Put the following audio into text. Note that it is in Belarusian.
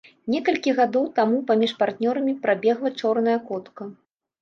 Некалькі гадоў таму паміж партнёрамі прабегла чорная котка.